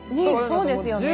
そうですよね。